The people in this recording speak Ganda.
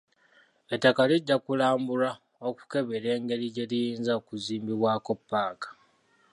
Ettaka lijja kulambulwa okukebera engeri gye liyinza okuzimbibwako ppaaka.